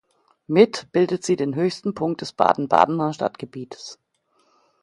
Mit bildet sie den höchsten Punkt des Baden-Badener Stadtgebiets.